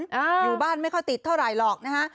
อยู่บ้านไม่ค่อยติดเท่าไหร่หรอกนะฮะ